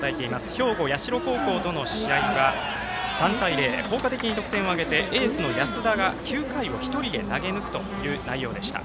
兵庫、社高校との試合は３対０、効果的に得点を挙げてエースの安田が９回を１人で投げ抜くという内容でした。